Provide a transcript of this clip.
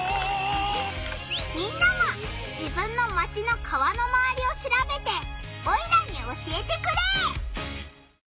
みんなも自分のマチの川のまわりをしらべてオイラに教えてくれ！